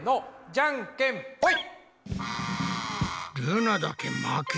じゃんけんぽい。